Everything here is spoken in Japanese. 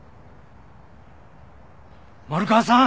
丸川さん！